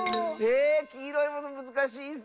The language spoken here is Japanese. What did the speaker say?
えきいろいものむずかしいッス！